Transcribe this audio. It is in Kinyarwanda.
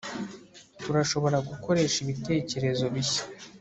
Turashobora gukoresha ibitekerezo bishya